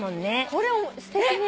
これすてきね。